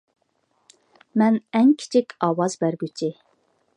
مەن ئەڭ كىچىك ئاۋاز بەرگۈچى